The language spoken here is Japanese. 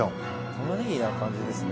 「玉ねぎな感じですね」